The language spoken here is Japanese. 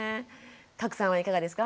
加耒さんはいかがですか？